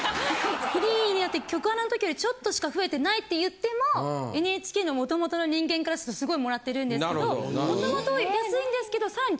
フリーになって局アナの時よりちょっとしか増えてないって言ってもＮＨＫのもともとの人間からするとすごいもらってるんですけどもともと安いんですけどさらに